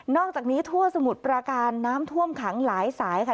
อกจากนี้ทั่วสมุทรประการน้ำท่วมขังหลายสายค่ะ